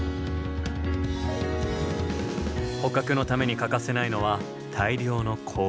捕獲のために欠かせないのは大量の氷。